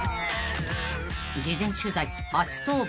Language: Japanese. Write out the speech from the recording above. ［事前取材初登板］